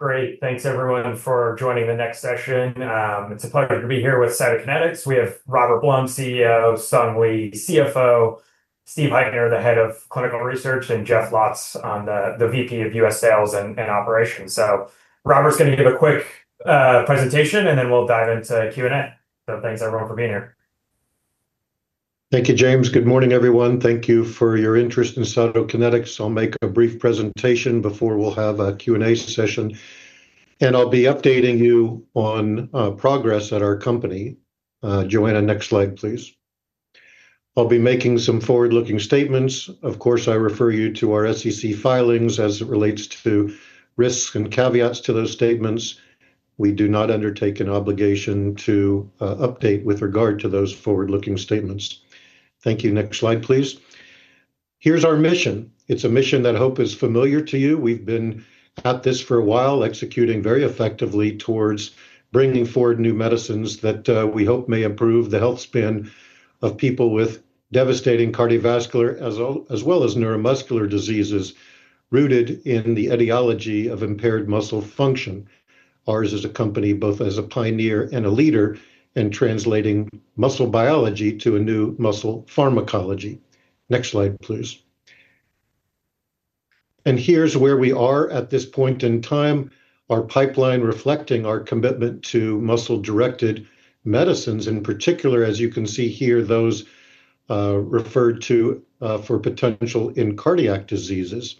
Great. Thanks everyone for joining the next session. It's a pleasure to be here with Cytokinetics. We have Robert Blum, CEO, Sung Lee, CFO, Steve Heitner, the Head of Clinical Research, and Jeff Lotz, the VP of U.S. Sales and Operations. Robert's going to give a quick presentation and then we'll dive into Q&A. Thanks everyone for being here. Thank you, James. Good morning everyone. Thank you for your interest in Cytokinetics. I'll make a brief presentation before we have a Q&A session, and I'll be updating you on progress at our company. Joanna, next slide please. I'll be making some forward-looking statements. Of course, I refer you to our SEC filings as it relates to risks and caveats to those statements. We do not undertake an obligation to update with regard to those forward-looking statements. Thank you. Next slide, please. Here's our mission, a mission that I hope is familiar to you. We've been at this for a while, executing very effectively towards bringing forward new medicines that we hope may improve the health span of people with devastating cardiovascular as well as neuromuscular diseases rooted in the etiology of impaired muscle function. Ours is a company both as a pioneer and a leader in translating muscle biology to a new muscle pharmacology. Next slide, please. Here's where we are at this point in time. Our pipeline reflects our commitment to muscle-directed medicines. In particular, as you can see here, those referred to for potential in cardiac diseases.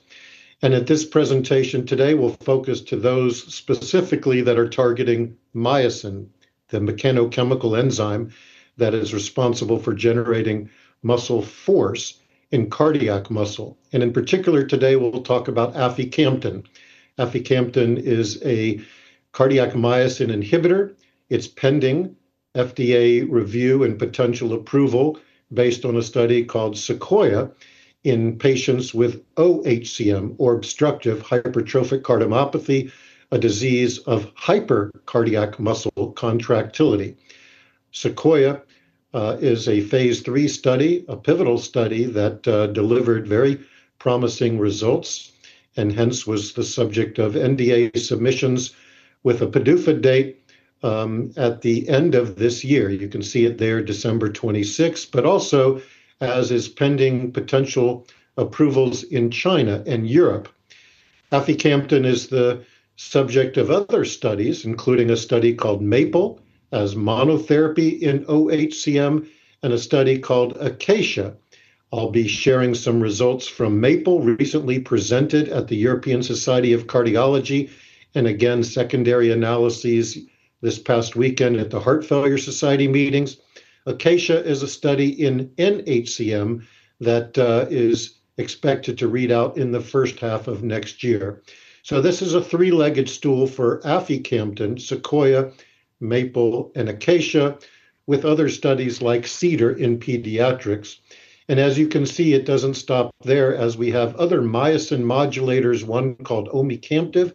At this presentation today, we'll focus on those specifically that are targeting myosin, the mechanochemical enzyme that is responsible for generating muscle force in cardiac muscle. In particular, today we'll talk about Aficamten. Aficamten is a cardiac myosin inhibitor. It's pending FDA review and potential approval based on a study called SEQUOIA in patients with oHCM, or obstructive hypertrophic cardiomyopathy, a disease of hypercardiac muscle contractility. Sequoia is a phase III study, a pivotal study that delivered very promising results and hence was the subject of NDA submissions with a PDUFA date at the end of this year. You can see it there, December 26, but also as is pending potential approvals in China and Europe. Aficamten is the subject of other studies, including a study called MAPLE as monotherapy in OHCM and a study called ACACIA. I'll be sharing some results from MAPLE, recently presented at the European Society of Cardiology and again secondary analyses this past weekend at the Heart Failure Society of America meetings. ACACIA is a study in nHCM that is expected to read out in the first half of next year. This is a three-legged stool for Aficamten: SEQUOIA, MAPLE, and ACACIA, with other studies like CDER in pediatrics. As you can see, it doesn't stop there as we have other myosin modulators, one called Omecamtiv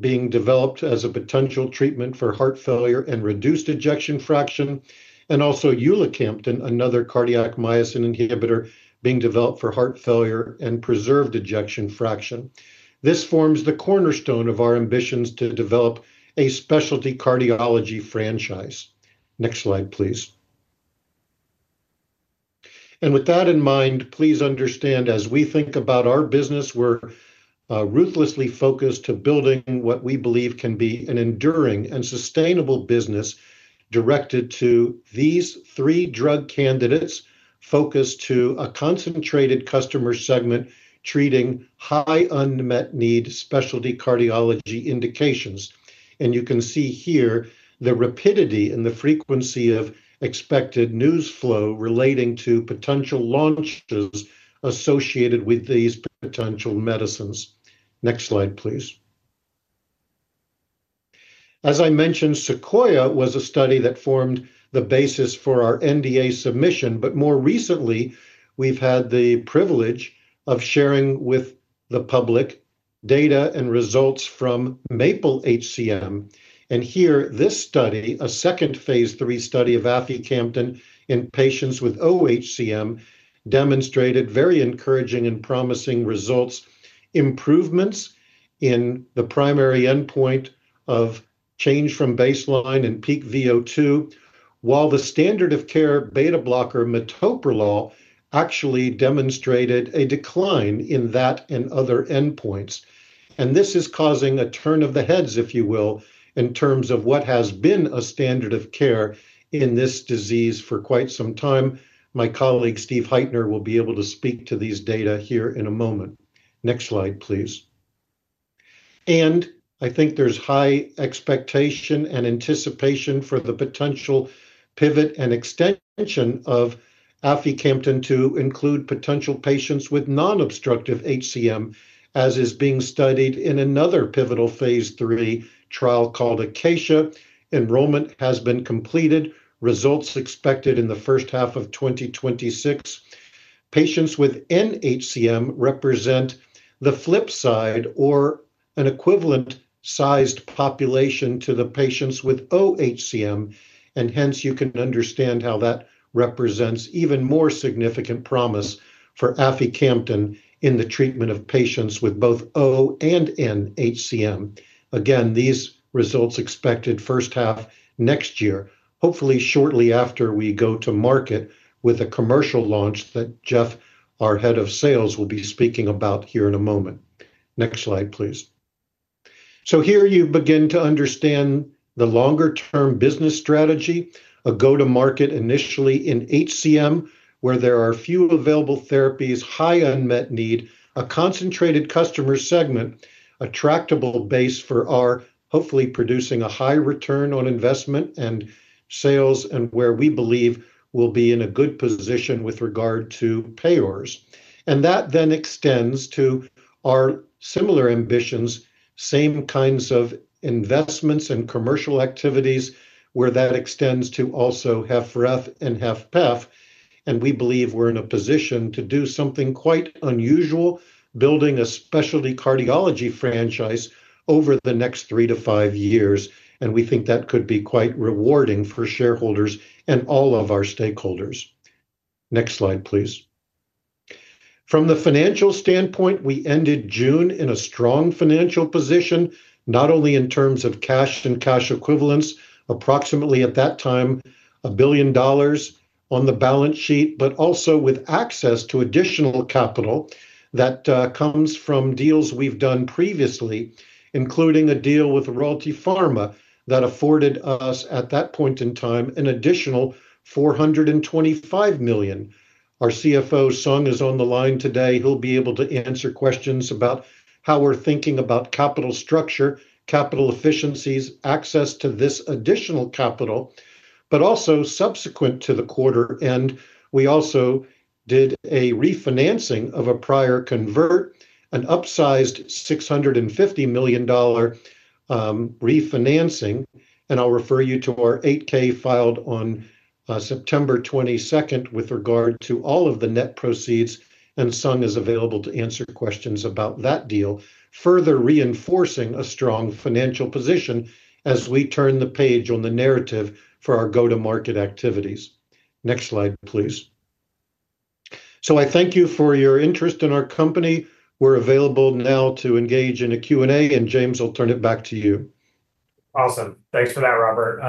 being developed as a potential treatment for heart failure with reduced ejection fraction. Also, [inaudible] another cardiac myosin inhibitor, is being developed for heart failure with preserved ejection fraction. This forms the cornerstone of our ambitions to develop a specialty cardiology franchise. Next slide please. With that in mind, please understand as we think about our business, we're ruthlessly focused on building what we believe can be an enduring and sustainable business directed to these three drug candidates, focused on a concentrated customer segment treating high unmet need, specialty cardiology indications. You can see here the rapidity and the frequency of expected news flow relating to potential launches associated with these potential medicines. Next slide please. As I mentioned, SEQUOIA was a study that formed the basis for our NDA submission. More recently, we've had the privilege of sharing with the public data and results from MAPLE-HCM, and here this study, a second phase III study of Aficamten in patients with oHCM, demonstrated very encouraging and promising results. Improvements in the primary endpoint of change from baseline in peak VO2, while the standard of care beta blocker Metoprolol actually demonstrated a decline in that and other endpoints. This is causing a turn of the heads, if you will, in terms of what has been a standard of care in this disease for quite some time. My colleague Steve Heitner will be able to speak to these data here in a moment. Next slide please. There is high expectation and anticipation for the potential pivot and extent of Aficamten to include potential patients with non-obstructive HCM, as is being studied in another pivotal phase III trial called ACACIA. Enrollment has been completed. Results are expected in the first half of 2026. Patients with nHCM represent the flip side or an equivalent sized population to the patients with oHCM. Hence, you can understand how that represents even more significant promise for Aficamten in the treatment of patients with both o and nHCM. Again, these results are expected first half next year, hopefully shortly after we go to market with a commercial launch that Jeff, our Head of Sales, will be speaking about here in a moment. Next slide please. Here you begin to understand the longer term business strategy, a go-to-market initially in HCM where there are few available therapies, high unmet need, a concentrated customer segment, attractable base for our hopefully producing a high return on investment and sales, and where we believe we'll be in a good position with regard to payers. That then extends to our similar ambitions, same kinds of investments in commercial activities where that extends to also HFrEF and HFpEF, and we believe we're in a position to do something quite unusual, building a specialty cardiology franchise over the next three to five years. We think that could be quite rewarding for shareholders and all of our stakeholders. Next slide please. From the financial standpoint, we ended June in a strong financial position not only in terms of cash and cash equivalents, approximately at that time $1 billion on the balance sheet, but also with access to additional capital that comes from deals we've done previously, including a deal with Royalty Pharma that afforded us at that point in time an additional $425 million. Our CFO Sung is on the line today. He'll be able to answer questions about how we're thinking about capital structure, capital efficiencies, access to this additional capital. Also, subsequent to the quarter end, we did a refinancing of a prior convert, an upsized $650 million refinancing. I'll refer you to our 8-K filed on September 22nd, with regard to all of the net proceeds, and Sung is available to answer questions about that deal, further reinforcing a strong financial position as we turn the page on the narrative for our go-to-market activities. Next slide please. Thank you for your interest in our company. We're available now to engage in a Q&A, and James will turn it back to you. Awesome. Thanks for that, Robert.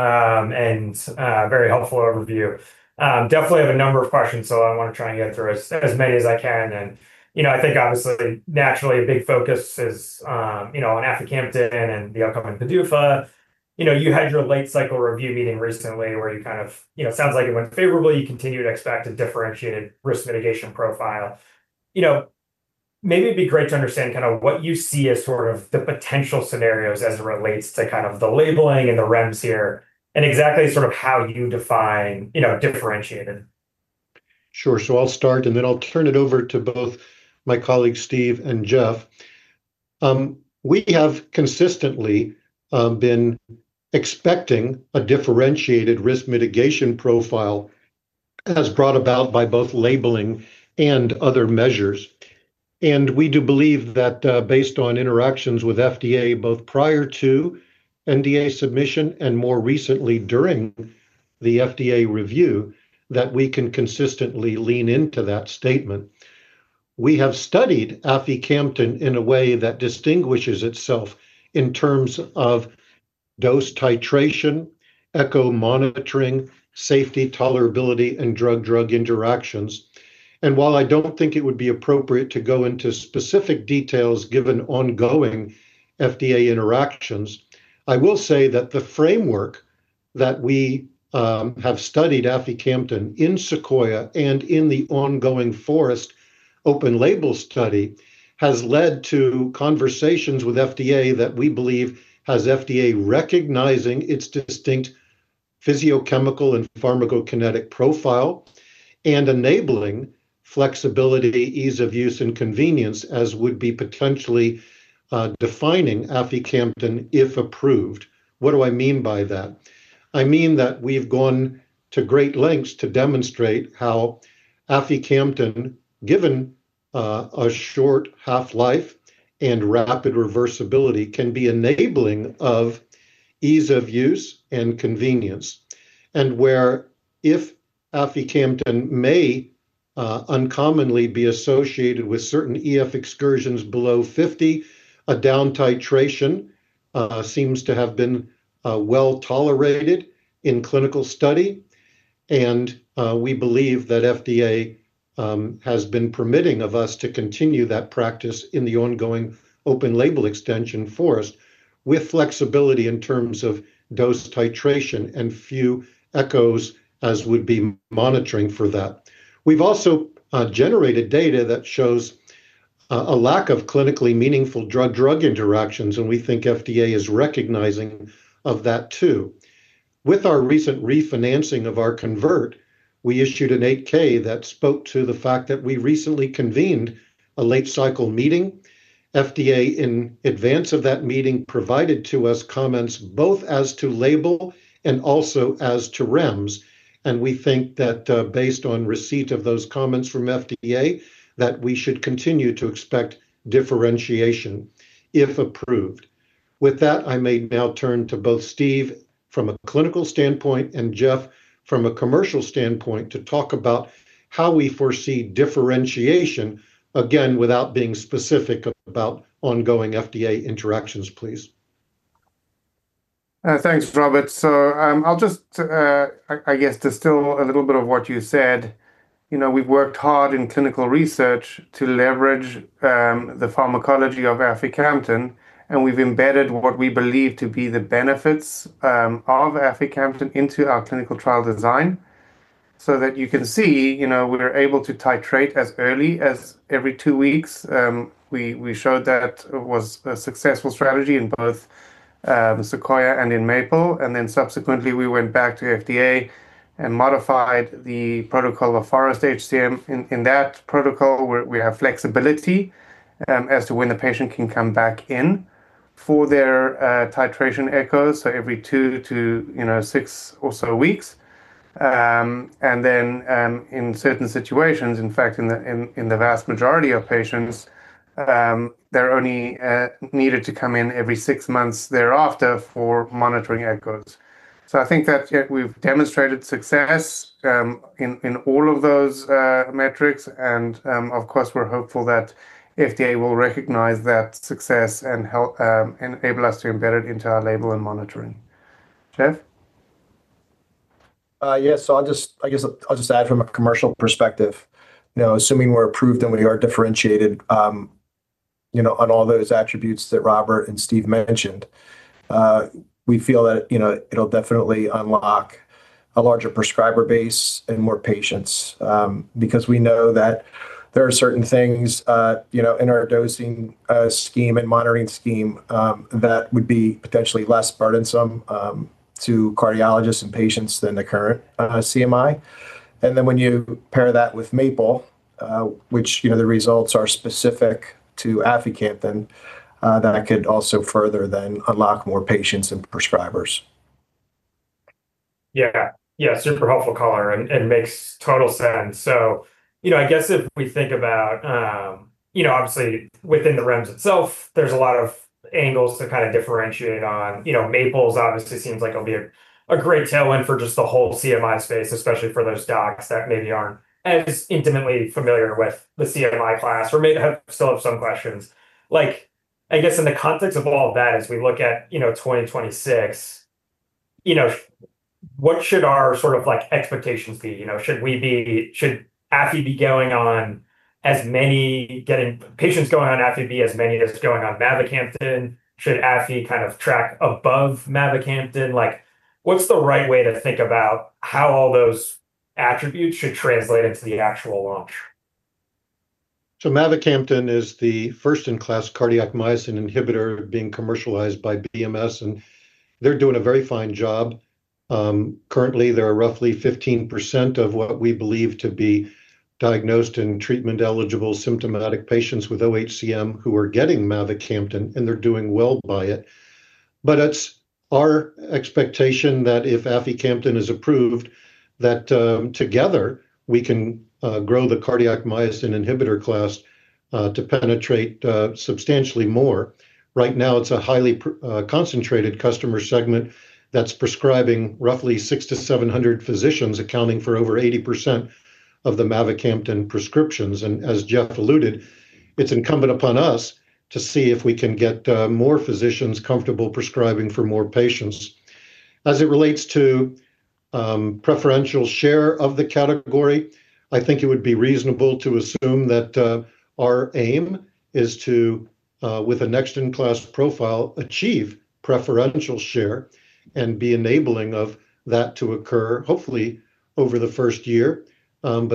Very helpful overview. I definitely have a number of questions, so I want to try and get into as many as I can. I think obviously, naturally, a big focus is on Aficamten and the outcome in PDUFA. You had your late cycle review meeting recently where it kind of sounds like it went favorably. You continue to expect a differentiated risk mitigation profile. Maybe it'd be great to understand what you see as the potential scenarios as it relates to the labeling and the REMS here, and exactly sort of how you define, you know, differentiated. Sure. I'll start and then I'll turn it over to both my colleagues, Steve and Jeff. We have consistently been expecting a differentiated risk mitigation profile as brought about by both labeling and other measures. We do believe that based on interactions with FDA both prior to and NDA submission and more recently during the FDA review, we can consistently lean into that statement. We have studied Aficamten in a way that distinguishes itself in terms of dose titration, echo monitoring, safety, tolerability, and drug-drug interactions. While I don't think it would be appropriate to go into specific details given ongoing FDA interactions, I will say that the framework that we have studied Aficamten in, in SEQUOIA and in the ongoing FOREST Open-Label study, has led to conversations with FDA that we believe has FDA recognizing its distinct physiochemical and pharmacokinetic profile and enabling flexibility, ease of use, and convenience as would be potentially defining Aficamten if approved. What do I mean by that? I mean that we've gone to great lengths to demonstrate how Aficamten, given a short half-life and rapid reversibility, can be enabling of ease of use and convenience and where if Aficamten may uncommonly be associated with certain EF excursions below 50% and down. Titration seems to have been well-tolerated in clinical study. We believe that FDA has been permitting of us to continue that practice in the ongoing open-label extension for us with flexibility in terms of dose titration and few echoes as would be monitoring for that. We've also generated data that shows a lack of clinically meaningful drug-drug interactions and we think FDA is recognizing of that too. With our recent refinancing of our convert, we issued an 8-K that spoke to the fact that we recently convened a late cycle meeting. FDA in advance of that meeting provided to us comments both as to label and also as to REMS. We think that based on receipt of those comments from FDA that we should continue to expect differentiation if approved. With that, I may now turn to both Steve from a clinical standpoint and Jeff from a commercial standpoint to talk about how we foresee differentiation again without being specific about ongoing FDA interactions. Please. Thanks, Robert. I'll just, I guess, distill a little bit of what you said. You know, we've worked hard in clinical research to leverage the pharmacology of Aficamten, and we've embedded what we believe to be the benefits of Aficamten into our clinical trial design so that you can see, you know, we were able to titrate as early as every two weeks. We showed that it was a successful strategy in both SEQUOIA and in MAPLE. Subsequently, we went back to FDA and modified the protocol of FOREST-HCM. In that protocol, we have flexibility as to when a patient can come back in for their titration echoes, so every two to six or so weeks. In certain situations, in fact, in the vast majority of patients, they're only needed to come in every six months thereafter for monitoring echoes. I think that we've demonstrated success in all of those metrics, and of course, we're hopeful that FDA will recognize that success and enable us to embed it into our label and monitoring. Jeff. Yes. I guess I'll just add from a commercial perspective, assuming we're approved and we are differentiated, you know, on all those attributes that Robert and Steve mentioned, we feel that, you know, it'll definitely unlock a larger prescriber base and more patients because we know that there are certain things, you know, in our dosing scheme and monitoring scheme that would be potentially less burdensome to cardiologists and patients than the current CMI. When you pair that with MAPLE, which, you know, the results are specific to Aficamten, that could also further then unlock more patients and prescribers. Yeah, super helpful color and makes total sense. If we think about, obviously within the REMS itself, there's a lot of angles to kind of differentiate on, you know, MAPLE. Obviously, seems like it'll be a great tailwind for just the whole CMI space, especially for those docs that maybe aren't as intimately familiar with the CMI class or may still have some questions. I guess in the context of all of that, as we look at 2026, what should our sort of expectations be? Should we be, should Afi be getting as many patients going on as Mavacamten? Should Afi kind of track above Mavacamten? What's the right way to think about how all those attributes should translate into the actual lump? Mavacamten is the first-in-class cardiac myosin inhibitor being commercialized by BMS, and they're doing a very fine job. Currently, there are roughly 15% of what we believe to be diagnosed and treatment-eligible symptomatic patients with oHCM who are getting Mavacamten, and they're doing well by it. It's our expectation that if Aficamten is approved, together we can grow the cardiac myosin inhibitor class to penetrate substantially more. Right now, it's a highly concentrated customer segment that's prescribing, roughly 600-700 physicians, accounting for over 80% of the Mavacamten prescriptions. As Jeff alluded to, it's incumbent upon us to see if we can get more physicians comfortable prescribing for more patients. As it relates to preferential share of the category, I think it would be reasonable to assume that our aim is to, with a next-in-class profile, achieve preferential share and be enabling of that to occur hopefully over the first year.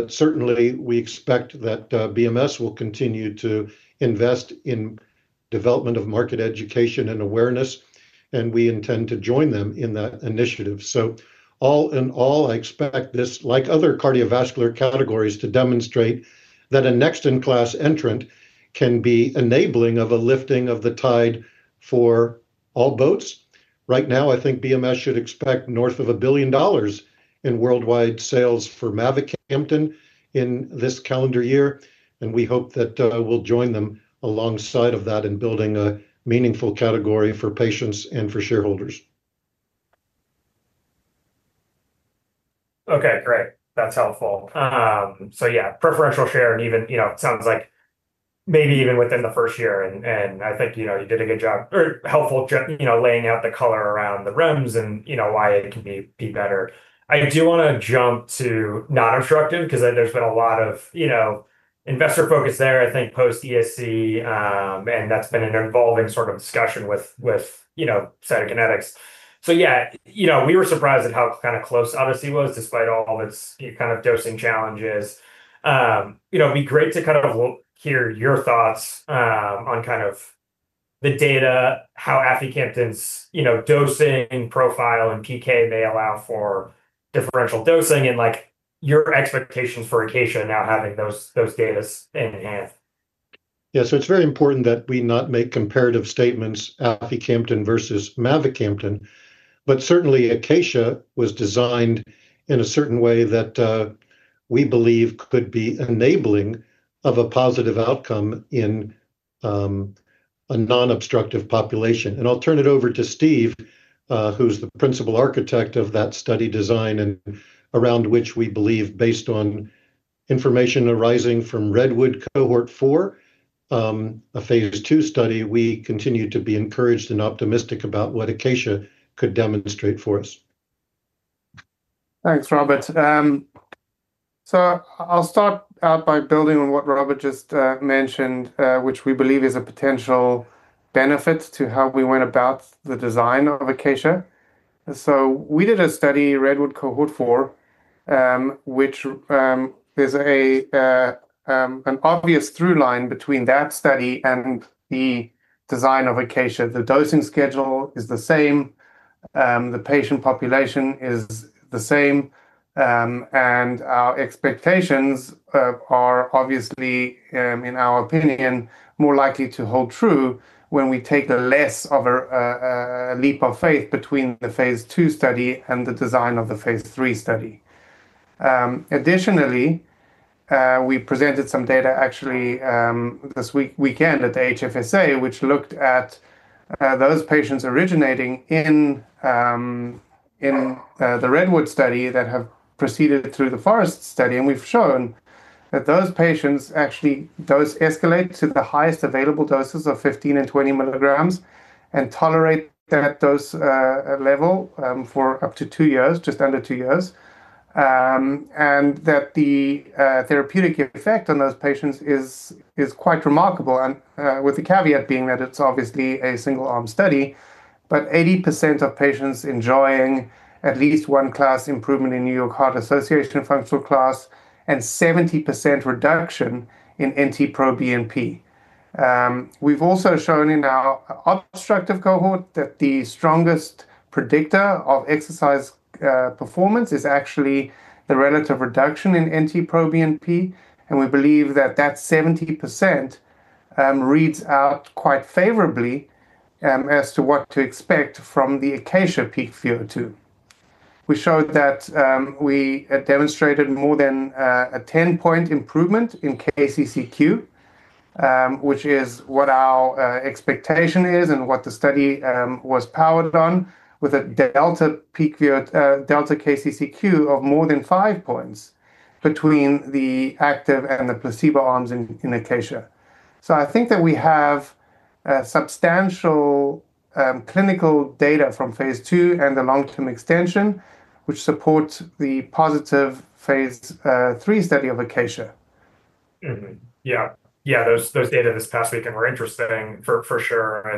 Certainly, we expect that BMS will continue to invest in development of market education and awareness, and we intend to join them in that initiative. All in all, I expect this, like other cardiovascular categories, to demonstrate that a next-in-class entrant can be enabling of a lifting of the tide for all boats. Right now, I think BMS should expect north of $1 billion in worldwide sales for Mavacamten in this calendar year. We hope that we'll join them alongside of that in building a meaningful category for patients and for shareholders. Okay, great, that's helpful. Yeah, preferential share and even, you know, sounds like maybe even within the first year. I think you did a good job or helpful, you know, laying out the color around the REMS and you know, why it can be better. I do want to jump to non-obstructive because there's been a lot of, you know, investor focus there I think post-ESC and that's been an evolving sort of discussion with, you know, Cytokinetics. Yeah, you know, we were surprised at how kind of close ODYSSEY was despite all of its kind of dosing challenges. It would be great to kind of hear your thoughts on the data, how Aficamten's dosing profile and PK may allow for differential dosing, and your expectations for ACACIA now having those data in hand. Yeah. It is very important that we not make comparative statements Aficamten versus Mavacamten. Certainly, ACACIA was designed in a certain way that we believe could be enabling of a positive outcome in a non-obstructive population. I'll turn it over to Steve, who's the principal architect of that study design and around which we believe, based on information arising from REDWOOD Cohort 4, a phase II study, we continue to be encouraged and optimistic about what ACACIA could demonstrate for us. Thanks, Robert. I'll start out by building on what Robert just mentioned, which we believe is a potential benefit to how we went about the design of ACACIA. We did a study, REDWOOD Cohort 4, which is an obvious through line between that study and the design of ACACIA. The dosing schedule is the same, the patient population is the same, and our expectations are, in our opinion, more likely to hold true when we take less of a leap of faith between the phase II study and the design of the phase III study. Additionally, we presented some data this weekend at the HFSA, which looked at those patients originating in the REDWOOD study that have proceeded through the FOREST study. We've shown that those patients actually dose escalate to the highest available doses of 15 mg and 20 mg and tolerate that dose level for up to two years, just under two years. The therapeutic effect on those patients is quite remarkable, with the caveat being that it's a single arm study, but 80% of patients enjoying at least one class improvement in New York Heart Association functional class and 70% reduction in NT-proBNP. We've also shown in our obstructive cohort that the strongest predictor of exercise performance is actually the relative reduction in NT-proBNP. We believe that 70% reads out quite favorably as to what to expect from the ACACIA peak VO2. We showed that we demonstrated more than a 10-point improvement in KCCQ, which is what our expectation is and what the study was powered on, with a delta KCCQ of more than five points between the active and the placebo arms in ACACIA. I think that we have substantial clinical data from phase II and the long-term extension which support the positive phase III study of ACACIA. Yeah, yeah. Those data this past weekend were interesting for sure.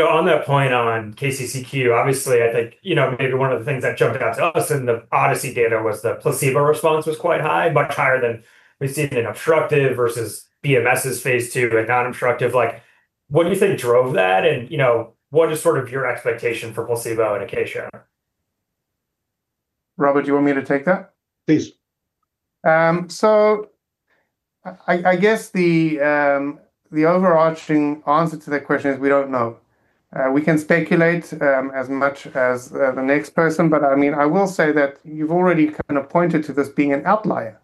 On that point on KCCQ, obviously, I think maybe one of the things that jumped out to us in the ODYSSEY data was the placebo response was quite high, much higher than we see it in obstructive versus BMS' phase II and non-obstructive. Like what do you think drove that? You know, what is sort of your expectation for placebo in ACACIA? Robert, do you want me to take that? Please. I guess the overarching answer to that question is we don't know. We can speculate as much as the next person. I will say that you've already kind of pointed to this being an outlier,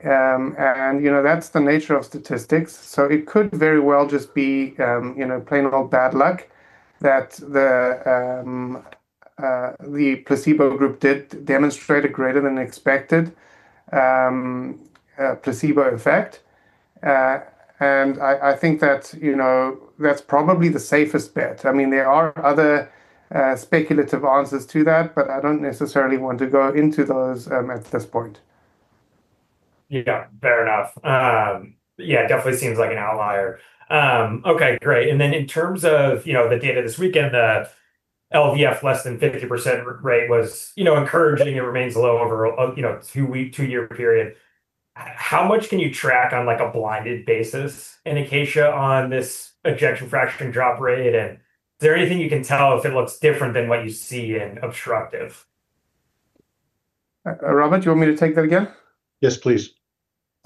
and that's the nature of statistics. It could very well just be plain old bad luck that the placebo group did demonstrate a greater than expected placebo effect. I think that's probably the safest bet. There are other speculative answers to that, but I don't necessarily want to go into those at this point. Yeah, fair enough. It definitely seems like an outlier. Okay, great. In terms of, you know, at the end of this weekend the LVEF less than 50% rate was, you know, encouraging. It remains low over, you know, two-week, two-year period. How much can you track on like a blinded basis in ACACIA on this ejection fraction drop rate, and is there anything you can tell if it looks different than what you see in obstructive? Robert, do you want me to take that again? Yes, please.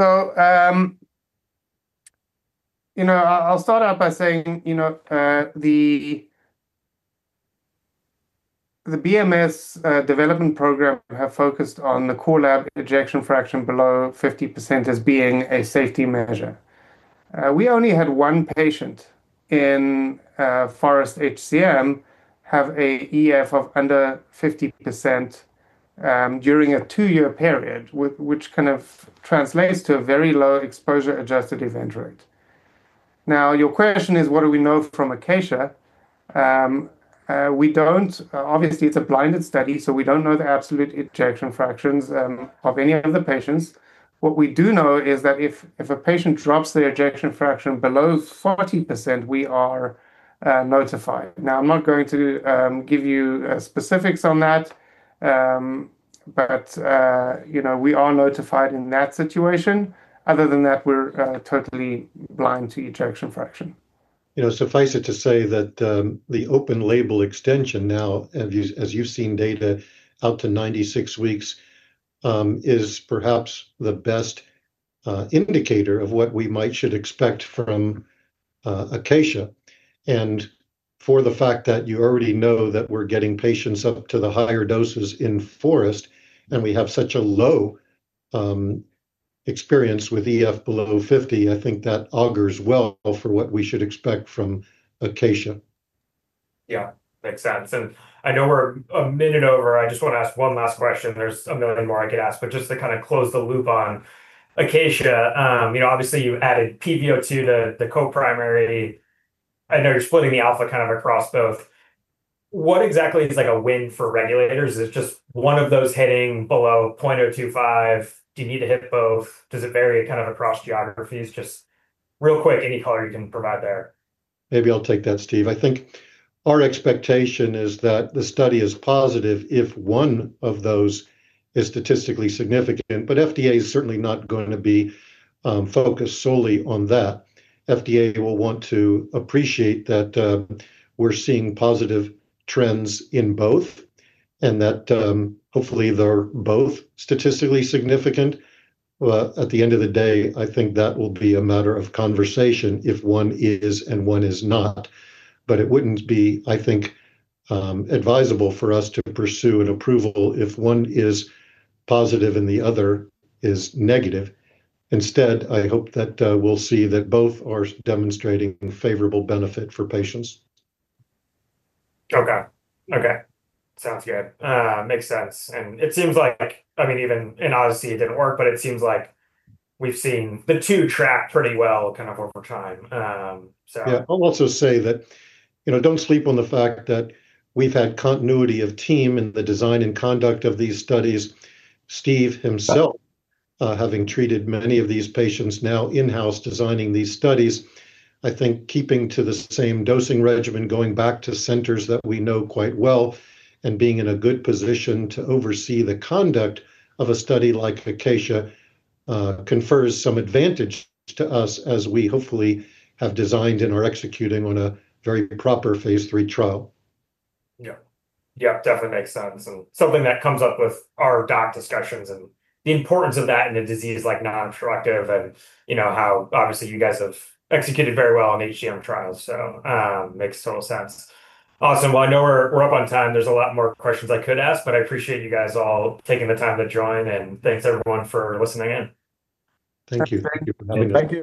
I'll start out by saying the BMS development program have focused on the cutoff ejection fraction below 50% as being a safety measure. We only had one patient in FOREST-HCM have an EF of under 50% during a two-year period, which kind of translates to a very low exposure adjusted event rate. Now your question is, what do we know from ACACIA? We don't, obviously it's a blinded study so we don't know the absolute ejection fractions of any of the patients. What we do know is that if a patient drops their ejection fraction below 40%, we are notified. Now I'm not going to give you specifics on that, but we are notified in that situation. Other than that, we're totally blind to ejection fraction. Suffice it to say that the open-label extension now, as you've seen data out to 96 weeks, is perhaps the best indicator of what we might expect from ACACIA. For the fact that you already know that we're getting patients up to the higher doses in FOREST and we have such a low experience with EF below 50%, I think that augurs well for what we should expect from ACACIA. Yeah, makes sense. I know we're a minute over, I just want to ask one last question. There's a million more I could ask, just to kind of close the loop on ACACIA. Obviously you added pVO2 to the co-primary. I know you're splitting the alpha kind of across both. What exactly is like a win for regulators? Is it just one of those hitting below 0.025? Do you need to hit both? Does it vary kind of across geographies? Just real quick, any color you can provide there. I'll take that, Steve. I think our expectation is that the study is positive if one of those is statistically significant. FDA is certainly not going to be focused solely on that. FDA will want to appreciate that we're seeing positive trends in both and that hopefully they're both statistically significant. At the end of the day, I think that will be a matter of conversation if one is and one is not. It wouldn't be, I think, advisable for us to pursue an approval if one is positive and the other is negative. Instead, I hope that we'll see that both are demonstrating favorable benefit for patients. Okay. Okay. Sounds good. Makes sense. It seems like, I mean, even in ODYSSEY, it didn't work, but it seems like we've seen the two track pretty well kind of over time. I'll also say that, you know, don't sleep on the fact that we've had continuity of team in the design and conduct of these studies. Steve himself, having treated many of these patients, now in house designing these studies, I think keeping to the same dosing regimen, going back to centers that we know quite well, and being in a good position to oversee the conduct of a study like ACACIA, confers some advantage to us as we hopefully have designed and are executing on a very proper phase III trial. Yeah. Yep. Definitely makes sense. Something that comes up with our doc discussions is the importance of that in a disease like non-obstructive, and, you know, how obviously you guys have executed very well in HCM trials. Makes total sense. Awesome. I know we're up on time. There's a lot more questions I could ask. I appreciate you guys all taking the time to join, and thanks, everyone, for listening in. Thank you.